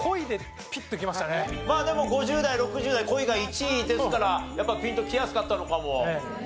まあでも５０代６０代恋が１位ですからやっぱピンときやすかったのかも。